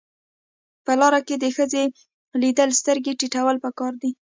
په لار کې د ښځې لیدل سترګې ټیټول پکار دي.